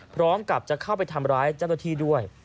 พร้อมกับจะเข้าไปทำร้ายเจ้าหน้าที่ด้วย